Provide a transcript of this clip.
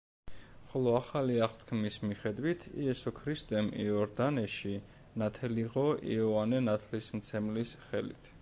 ხოლო ახალი აღთქმის მიხედვით იესო ქრისტემ იორდანეში ნათელიღო იოანე ნათლისმცემლის ხელით.